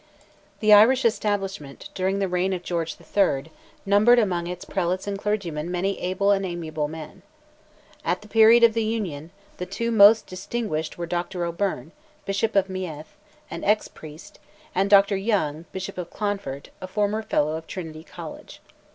The Irish Establishment, during the reign of George III., numbered among its prelates and clergy many able and amiable men. At the period of the Union, the two most distinguished were Dr. O'Beirne, Bishop of Meath, an ex priest, and Dr. Young, Bishop of Clonfert, a former fellow of Trinity College.